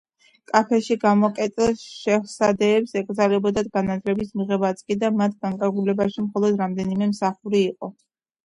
კაფესში გამოკეტილ შეჰზადეებს ეკრძალებოდათ განათლების მიღებაც კი და მათ განკარგულებაში მხოლოდ რამდენიმე მსახური იყო.